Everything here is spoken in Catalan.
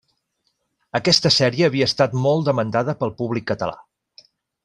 Aquesta sèrie havia estat molt demanada pel públic català.